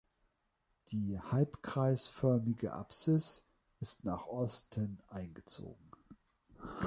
Die halbkreisförmige Apsis ist nach Osten eingezogen.